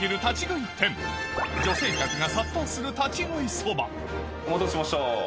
さらにお待たせしました。